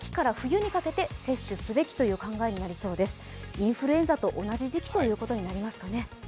インフルエンザと同じ時期ということになりますかね。